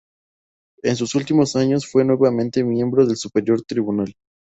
En sus últimos años fue nuevamente miembro del Superior Tribunal.